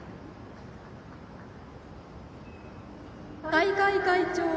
大会会長